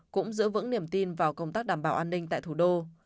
cũng giữ vững niềm tin vào công tác đảm bảo an ninh tại thủ đô